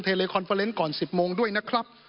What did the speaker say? เลคอนเฟอร์เนสก่อน๑๐โมงด้วยนะครับ